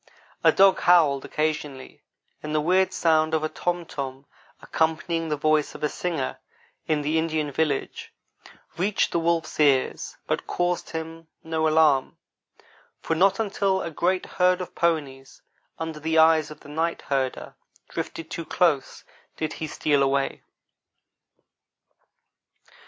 A dog howled occasionally, and the weird sound of a tom tom accompanying the voice of a singer in the Indian village reached the wolf's ears, but caused him no alarm; for not until a great herd of ponies, under the eyes of the night herder, drifted too close, did he steal away.